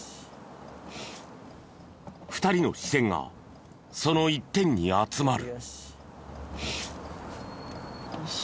２人の視線がその一点に集まる。